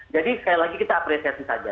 jadi sekali lagi kita apresiasi saja